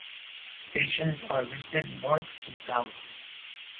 Stations are listed north to south.